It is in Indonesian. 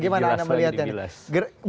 gimana anda melihatnya